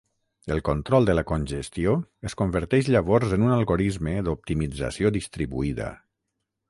El control de la congestió es converteix llavors en un algorisme d'optimització distribuïda.